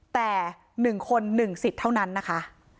แต่๑คน๑สิทธิ์เท่านั้นนะคะ